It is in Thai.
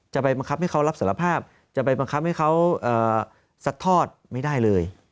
จะไปบังคับให้เขารับสารภาพจะไปบังคับให้เขาซัดทอดไม่ได้เลย